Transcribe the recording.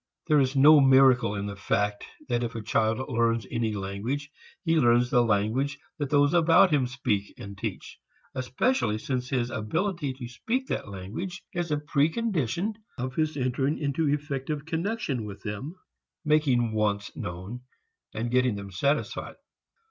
There is no miracle in the fact that if a child learns any language he learns the language that those about him speak and teach, especially since his ability to speak that language is a pre condition of his entering into effective connection with them, making wants known and getting them satisfied.